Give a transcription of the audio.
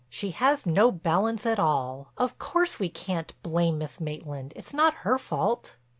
She has no balance at all. Of course we can't blame Miss Maitland—it's not her fault."